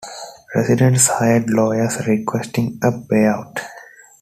Residents hired lawyers requesting a buyout.